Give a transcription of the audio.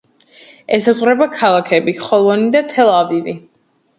ესაზღვრება ქალაქები ხოლონი და თელ-ავივი.